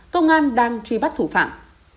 công an đang truy bắt thủ phạm